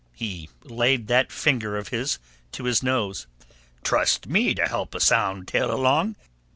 He laid that finger of his to his nose. "Trust me to help a sound tale along.